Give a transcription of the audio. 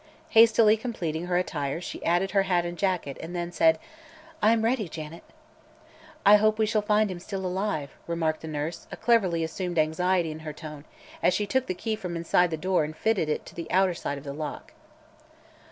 Hastily completing her attire she added her hat and jacket and then said: "I am ready, Janet." "I hope we shall find him still alive," remarked the nurse, a cleverly assumed anxiety in her tone, as she took the key from inside the door and fitted it to the outer side of the lock.